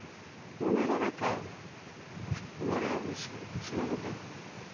生まれは武州日野の在。